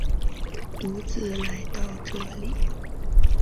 独自来到这里